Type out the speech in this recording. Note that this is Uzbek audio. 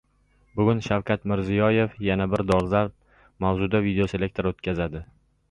Bugun Shavkat Mirziyoyev yana bir dolzarb mavzuda videoselektor o‘tkazadi